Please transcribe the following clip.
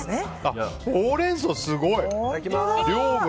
ホウレンソウ、すごい！量が。